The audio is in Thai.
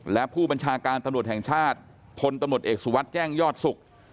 และผู้บัญชาการตำรวจแห่งชาติพลตำรวจเอกสุวัสดิ์แจ้งยอดศุกร์